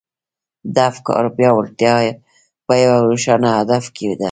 د افکارو پياوړتيا په يوه روښانه هدف کې ده.